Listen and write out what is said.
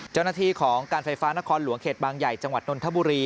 เจ้าหน้าที่ของการไฟฟ้านครหลวงเขตบางใหญ่จังหวัดนนทบุรี